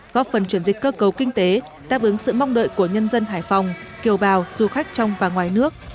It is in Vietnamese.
góp phần chuyển dịch cơ cấu kinh tế đáp ứng sự mong đợi của nhân dân hải phòng kiều bào du khách trong và ngoài nước